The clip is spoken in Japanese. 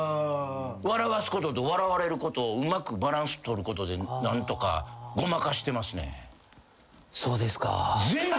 笑わすことと笑われることうまくバランスとることで何とかごまかしてますね。